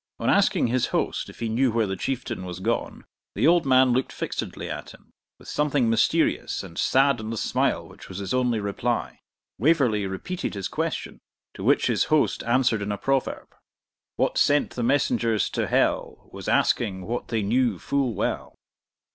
On asking his host if he knew where the Chieftain was gone, the old man looked fixedly at him, with something mysterious and sad in the smile which was his only reply. Waverley repeated his question, to which his host answered in a proverb, What sent the messengers to hell, Was asking what they knew full well.